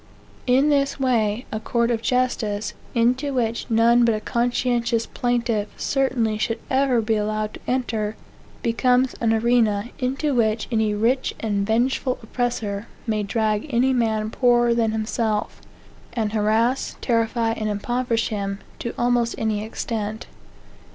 In this way, a court of justice, into which none but a conscientious plaintiff certainly should ever be allowed to enter, becomes an arena into which any rich and revengeful oppressor may drag any man poorer than himself, and harass, terrify, and impoverish him, to almost any extent.